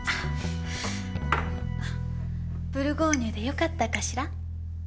ブルゴーニュでよかったかしら？